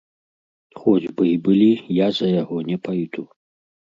Хоць бы й былі, я за яго не пайду.